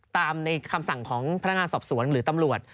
ในคำสั่งของพนักงานสอบสวนหรือตำรวจ